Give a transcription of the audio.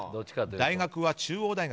大学は中央大学。